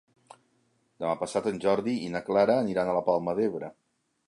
Demà passat en Jordi i na Clara aniran a la Palma d'Ebre.